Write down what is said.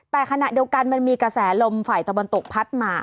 แต่ขณะเดียวกันมันมีกระแสลมฝ่ายตะวันตกพัดมา